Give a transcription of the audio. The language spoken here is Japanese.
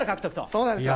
そうなんですよ。